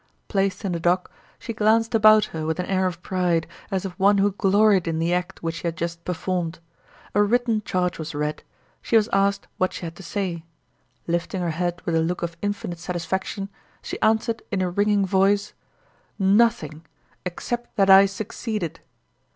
Placed in the dock, she glanced about her with an air of pride, as of one who gloried in the act which she had just performed. A written charge was read. She was asked what she had to say. Lifting her head with a look of infinite satisfaction, she answered in a ringing voice: "Nothing except that I succeeded!"